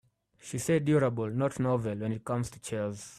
She said durable not novel when it comes to chairs.